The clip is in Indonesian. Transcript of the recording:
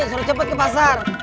suruh cepet ke pasar